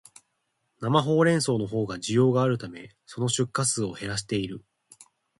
生ホウレンソウのほうが需要があるため、その出荷数を減らしている